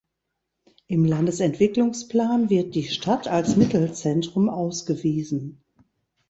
Im Landesentwicklungsplan wird die Stadt als Mittelzentrum ausgewiesen.